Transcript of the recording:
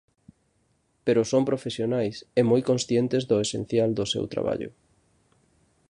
Pero son profesionais e moi conscientes do esencial do seu traballo.